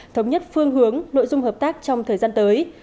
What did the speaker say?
thống nhất phương hướng nội dung hợp tác trong thời gian tới